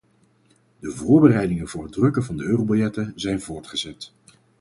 De voorbereidingen voor het drukken van de eurobiljetten zijn voortgezet.